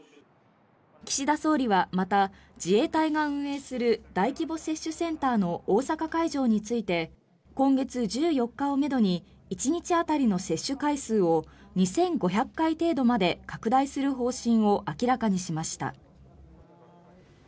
岸田総理は、また自衛隊が運営する大規模接種センターの大阪会場について今月１４日をめどに１日当たりの接種回数を２５００回程度まで拡大する方針を明らかにしました。